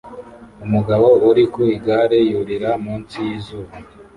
Umugabo uri ku igare yurira munsi y'izuba